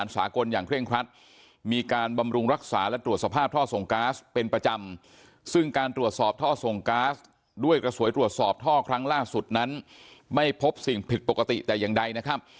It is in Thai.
สวยตรวจสอบท่อครั้งล่าสุดนั้นไม่พบสิ่งผิดปกติแต่อย่างใดนะครับ